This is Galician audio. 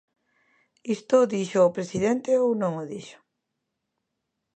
¿Isto díxoo o presidente ou non o dixo?